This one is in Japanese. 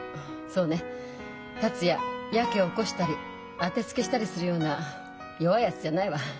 そうね達也ヤケを起こしたり当てつけしたりするような弱いやつじゃないわ。